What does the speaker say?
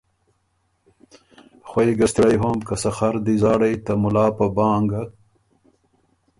خوئ ګه ستِړئ هوم، که سخر دی زاړئ ته مُلا په بانګ